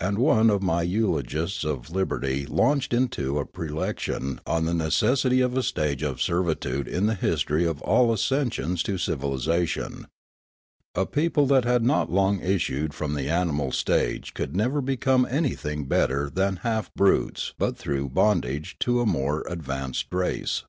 And one of my eulogists of liberty launched into a prelection on the necessity of a stage of servitude in the history of all ascensions to civilisation. A people that had not long issued from the animal stage could never become anything better than half brutes but through bondage to a more ad vanced race.